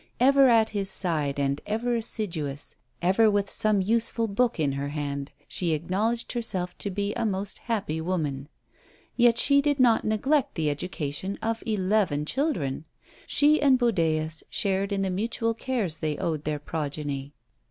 Ever at his side, and ever assiduous; ever with some useful book in her hand, she acknowledged herself to be a most happy woman. Yet she did not neglect the education of eleven children. She and Budæus shared in the mutual cares they owed their progeny.